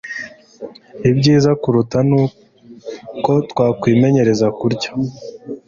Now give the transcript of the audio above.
Ibyiza kuruta ni uko twakwimenyereza kurya